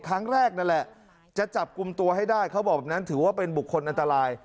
ครั้งแรกนั่นแหละจะจับกลุ่มตัวให้ได้เขาบอกแบบนั้นถือว่าเป็นบุคคลอันตราย